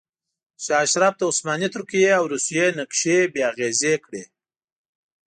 شاه اشرف د عثماني ترکیې او روسیې نقشې بې اغیزې کړې.